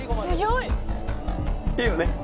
いいよね？